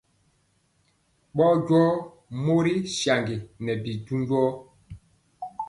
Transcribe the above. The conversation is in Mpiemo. Bɔɔnjɔɔ mori saŋgi nɛ bi du njɔɔ.